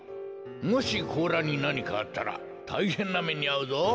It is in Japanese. もしこうらになにかあったらたいへんなめにあうぞ。